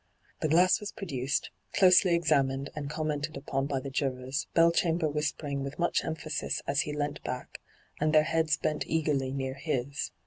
The glass was produced, closely examined, and commented upon by the jurors, Belchamber whispering with much emphasis as he leant back, and their heads bent eagerly near his.